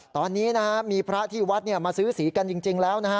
ตอนนี้นะฮะมีพระที่วัดมาซื้อสีกันจริงแล้วนะฮะ